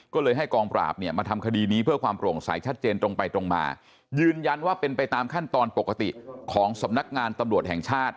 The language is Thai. ก็เลยให้กองปราบเนี่ยมาทำคดีนี้เพื่อความโปร่งใสชัดเจนตรงไปตรงมายืนยันว่าเป็นไปตามขั้นตอนปกติของสำนักงานตำรวจแห่งชาติ